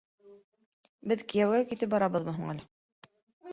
Беҙ кейәүгә китеп барабыҙмы һуң әле.